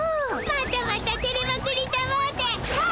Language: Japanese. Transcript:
またまたてれまくりたもうてとう！